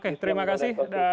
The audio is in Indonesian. oke terima kasih